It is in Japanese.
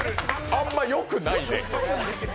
あんまよくない。